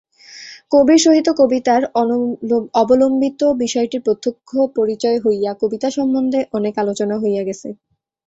কবির সহিত কবিতার অবলম্বিত বিষয়টির প্রত্যক্ষ পরিচয় হইয়া কবিতা সম্বন্ধে অনেক আলোচনা হইয়া গেছে।